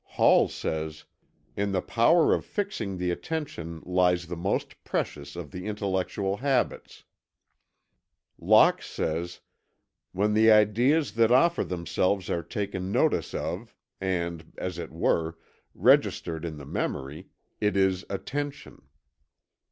Hall says: "In the power of fixing the attention lies the most precious of the intellectual habits." Locke says: "When the ideas that offer themselves are taken notice of, and, as it were, registered in the memory, it is Attention."